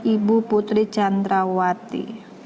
ibu putri chandrawati